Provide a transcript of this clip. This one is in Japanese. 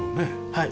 はい。